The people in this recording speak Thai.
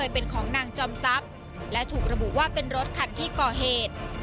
เป็นของนางจอมทรัพย์และถูกระบุว่าเป็นรถคันที่ก่อเหตุ